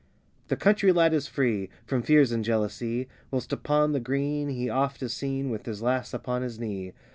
The country lad is free From fears and jealousy, Whilst upon the green he oft is seen, With his lass upon his knee.